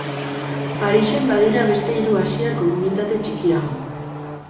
Parisen badira beste hiru asiar komunitate txikiago.